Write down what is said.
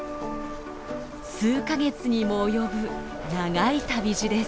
数か月にも及ぶ長い旅路です。